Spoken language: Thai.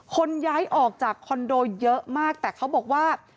คนย้ายออกจากคอนโดเยอะมากแต่เขาบอกว่า